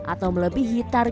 atau melebihi tiga juta orang